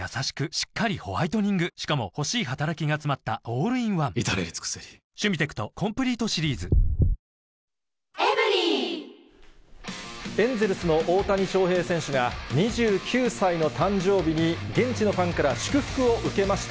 しっかりホワイトニングしかも欲しい働きがつまったオールインワン至れり尽せりエンゼルスの大谷翔平選手が、２９歳の誕生日に、現地のファンから祝福を受けました。